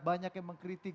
banyak yang mengkritik